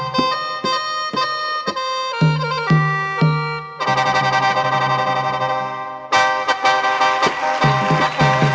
เย๊